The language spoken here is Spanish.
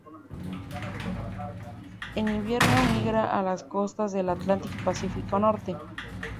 En invierno migra a las costas del Atlántico y Pacífico norte.